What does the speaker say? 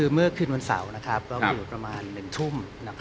เมื่อคืนวันเสาร์ก็มีอยู่ประมาณ๑ทุ่ม